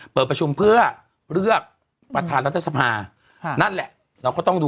เปิดประชุมเพื่อเลือกประธานรัฐสภานั่นแหละเราก็ต้องดู